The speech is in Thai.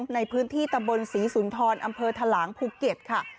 ในพื้นที่ตำบลศรีสุนทรอำเภอทะหลางภูเก็ตค่ะ